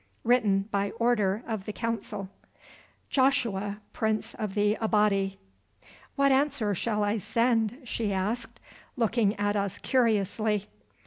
"Written by order of the Council, "Joshua, Prince of the Abati." "What answer shall I send?" she asked, looking at us curiously.